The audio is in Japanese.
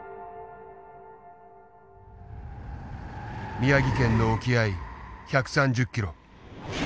宮城県の沖合１３０ｋｍ。